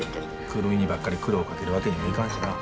久留美にばっかり苦労かけるわけにもいかんしな。